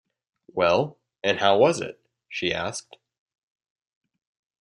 “Well, and how was it?” she asked.